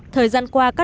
thời gian qua